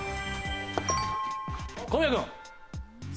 小宮君。